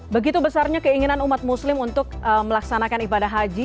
begitu besarnya keinginan umat muslim untuk melaksanakan ibadah haji